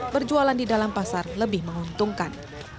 berjualan di dalam pasar lebih menguntungkan